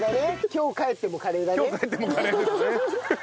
今日帰ってもカレーですね。